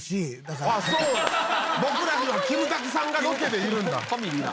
僕らにはキムタクさんがロケでいるんだ。